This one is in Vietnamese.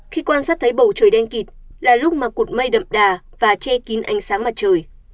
khi quan sát thấy bầu trời đen kịch là lúc mà cụt mây đậm đà và che kín ánh sáng mặt trời